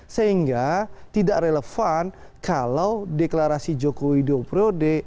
sehingga tidak relevan kalau deklarasi jokowi do priode